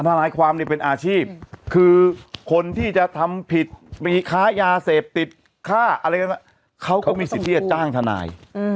ทนายความเนี่ยเป็นอาชีพคือคนที่จะทำผิดมีค้ายาเสพติดค่าอะไรกันเขาก็มีสิทธิ์ที่จะจ้างทนาย